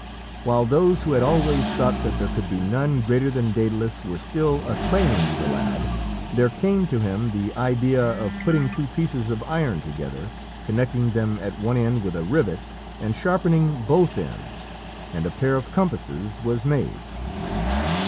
While those who had always thought that there could be none greater than Dædalus were still acclaiming the lad, there came to him the idea of putting two pieces of iron together, connecting them at one end with a rivet, and sharpening both ends, and a pair of compasses was made.